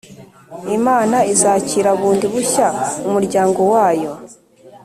Imana izakira bundi bushya umuryango wayo